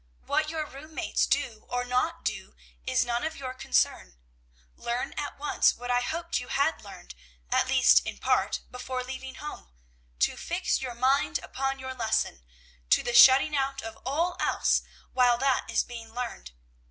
What your room mates do, or do not do, is none of your concern. Learn at once what I hoped you had learned, at least in part, before leaving home, to fix your mind upon your lesson, to the shutting out of all else while that is being learned.